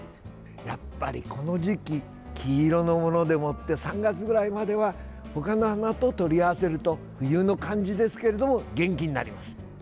やっぱりこの時期黄色のものでもって３月ぐらいまでは他の花ととりあわせると冬の感じですけれども元気になります。